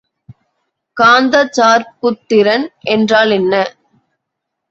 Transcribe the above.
காந்தச் சார்புத்திறன் என்றால் என்ன?